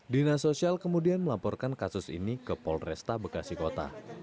dinasosial kemudian melaporkan kasus ini ke polresta bekasi kota